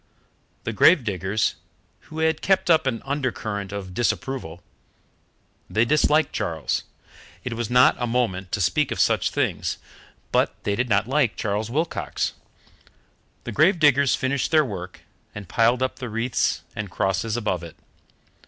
The grave diggers, who had kept up an undercurrent of disapproval they disliked Charles; it was not a moment to speak of such things, but they did not like Charles Wilcox the grave diggers finished their work and piled up the wreaths and crosses above it.